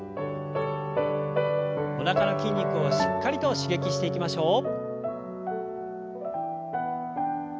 おなかの筋肉をしっかりと刺激していきましょう。